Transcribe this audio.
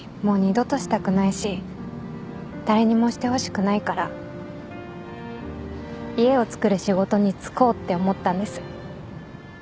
もう二度としたくないし誰にもしてほしくないから家をつくる仕事に就こうって思ったんです。